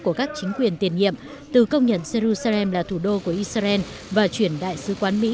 của các chính quyền tiền nhiệm từ công nhận jerusalem là thủ đô của israel và chuyển đại sứ quán mỹ